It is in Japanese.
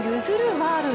ワールド。